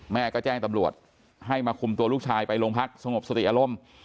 แม่ก็แจ้งตำรวจให้มาคุมตัวลูกชายไปโรงพักสงบสติอารมณ์